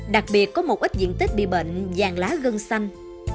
đặc biệt có một ít diện tích bị bệnh vàng lá gân xanh